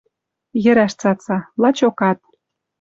Йӹрӓш цаца... Лачокат